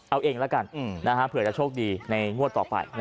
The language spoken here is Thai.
เอาเองละกันอืมนะฮะเผื่อจะโชคดีในงวดต่อไป